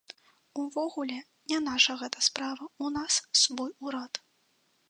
Увогуле, не наша гэта справа, у нас свой урад.